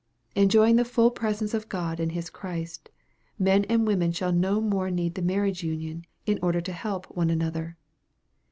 Enjoying the full presence of God and His Christ men and women shall no more need the marriage union, in order to help one another.